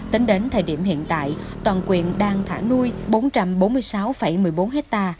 tính đến thời điểm hiện tại toàn quyền đang thả nuôi bốn trăm bốn mươi sáu một mươi bốn hectare